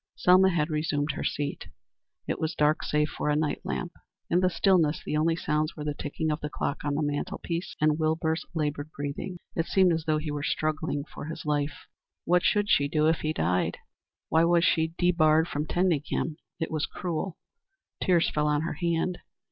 Selma had resumed her seat. It was dark save for a night lamp. In the stillness the only sounds were the ticking of the clock on the mantel piece and Wilbur's labored breathing. It seemed as though he were struggling for his life. What should she do if he died? Why was she debarred from tending him? It was cruel. Tears fell on her hand.